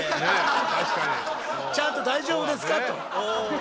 ちゃんと大丈夫ですかと。